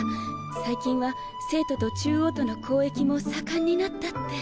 最近は西都と中央との交易も盛んになったって。